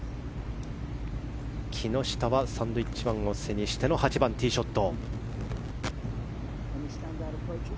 木下はサンドウィッチ湾を背にしての８番、ティーショット。